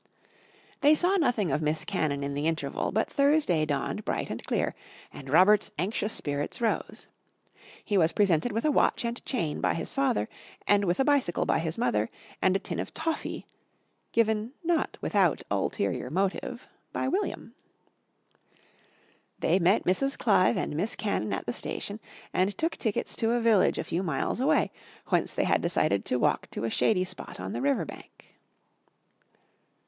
They saw nothing of Miss Cannon in the interval, but Thursday dawned bright and clear, and Robert's anxious spirits rose. He was presented with a watch and chain by his father and with a bicycle by his mother and a tin of toffee (given not without ulterior motive) by William. They met Mrs. Clive and Miss Cannon at the station and took tickets to a village a few miles away whence they had decided to walk to a shady spot on the river bank.